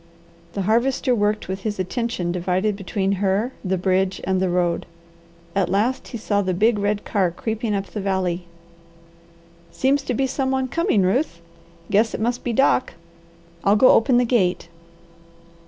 The Harvester worked with his attention divided between her, the bridge, and the road. At last he saw the big red car creeping up the valley. "Seems to be some one coming, Ruth! Guess it must be Doc. I'll go open the gate?"